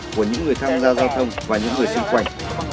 của những người tham gia giao thông và những người xung quanh